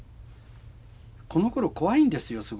このころ怖いんですよ